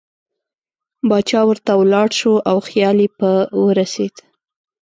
باچا ورته ولاړ شو او خیال یې په ورسېد.